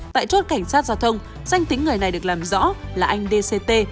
tại chốt cảnh sát giao thông danh tính người này được làm rõ là anh dct